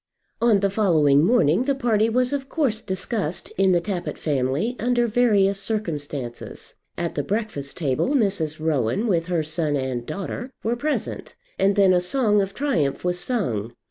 On the following morning the party was of course discussed in the Tappitt family under various circumstances. At the breakfast table Mrs. Rowan, with her son and daughter, were present; and then a song of triumph was sung.